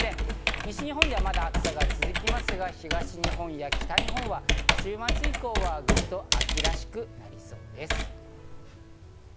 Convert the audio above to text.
西日本では、まだ暑さが続きますが、東日本や北日本は週末以降はぐっと秋らしくなりそうです。